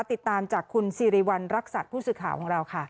ติดตามจากคุณสิริวัณรักษัตริย์ผู้สื่อข่าวของเราค่ะ